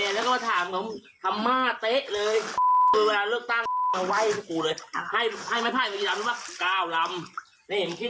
แต่เอาท่าไปที่ในบ้านเราเนี่ยทำธรรมภาพเท่าไหร่